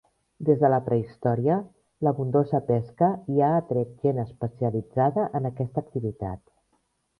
Des de la prehistòria, l'abundosa pesca hi ha atret gent especialitzada en aquesta activitat.